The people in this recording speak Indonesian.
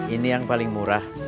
ini yang paling murah